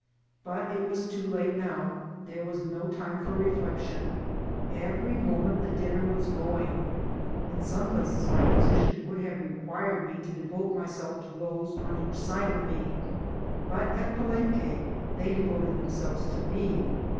But it was too late now ; there was no time for reflection ; every moment the dinner was going. In some places my position would have required me to devote myself to those on each side of me ; but at Pa lenque they devoted themselves to me.